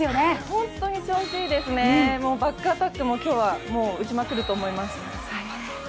本当に調子いいですね、バックアタックも今日は打ちまくると思います。